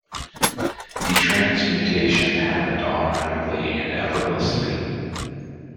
The transmutation happened automatically and effortlessly.